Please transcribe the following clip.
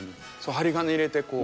針金入れてこう。